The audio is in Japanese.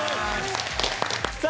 さあ